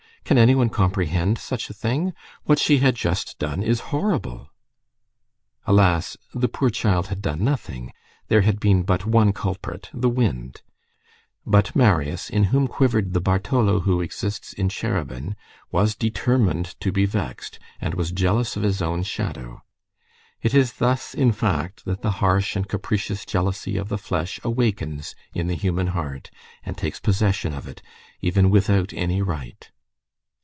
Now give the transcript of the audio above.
Can any one comprehend such a thing? What she had just done is horrible!—Alas, the poor child had done nothing; there had been but one culprit, the wind; but Marius, in whom quivered the Bartholo who exists in Cherubin, was determined to be vexed, and was jealous of his own shadow. It is thus, in fact, that the harsh and capricious jealousy of the flesh awakens in the human heart, and takes possession of it, even without any right.